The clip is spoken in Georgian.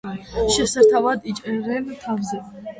შესართავიდან იჭერენ თევზს.